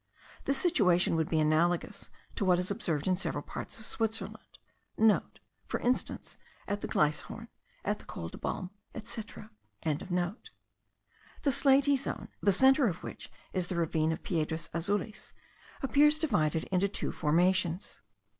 This situation would be analogous to what is observed in several parts of Switzerland.* (* For Instance, at the Glyshorn, at the Col de Balme, etc.) The slaty zone, the centre of which is the ravine of Piedras Azules, appears divided into two formations.